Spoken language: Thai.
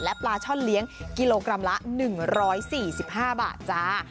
ปลาช่อนเลี้ยงกิโลกรัมละ๑๔๕บาทจ้า